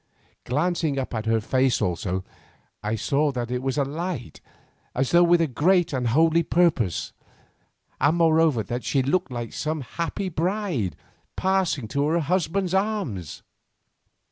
Glancing up at her face also, I saw that it was alight as though with a great and holy purpose, and moreover that she looked like some happy bride passing to her husband's arms.